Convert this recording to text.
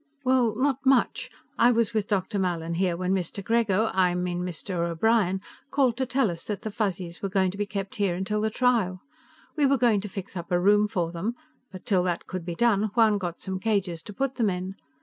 "Well, not much. I was with Dr. Mallin here when Mr. Grego I mean, Mr. O'Brien called to tell us that the Fuzzies were going to be kept here till the trial. We were going to fix up a room for them, but till that could be done, Juan got some cages to put them in.